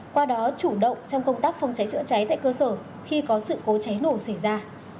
qua đó chủ động trong công tác phòng cháy chữa cháy tại cơ sở khi có sự cố cháy nổ xảy ra